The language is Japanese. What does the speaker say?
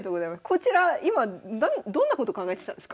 こちら今どんなこと考えてたんですか？